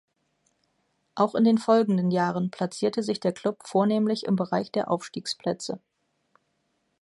Auch in den folgenden Jahren platzierte sich der Klub vornehmlich im Bereich der Aufstiegsplätze.